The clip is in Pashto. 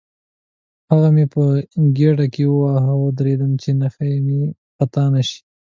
هغه مې په ګېډه کې وواهه، وېرېدم چې نښه مې خطا نه شي.